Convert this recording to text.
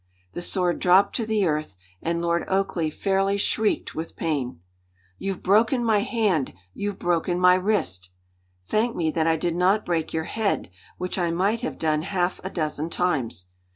The sword dropped to the earth, and Lord Oakleigh fairly shrieked with pain. "You've broken my hand! You've broken my wrist!" "Thank me that I did not break your head, which I might have done half a dozen times!"